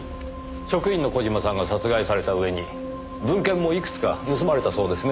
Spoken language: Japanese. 職員の小島さんが殺害されたうえに文献もいくつか盗まれたそうですね。